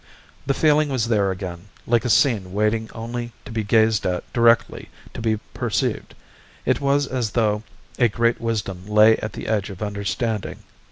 The feeling was there again, like a scene waiting only to be gazed at directly to be perceived. It was as though a great wisdom lay at the edge of understanding.